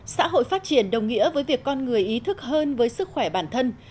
xã hội phát triển đồng nghĩa với việc con người ý thức hơn với sức khỏe bản thân